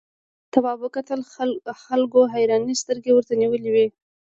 تواب وکتل خلکو حیرانې سترګې ورته نیولې وې.